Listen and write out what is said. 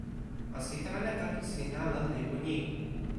o sitelen e toki sina lon lipu ni